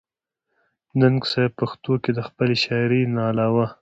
ننګ صېب پښتو کښې َد خپلې شاعرۍ نه علاوه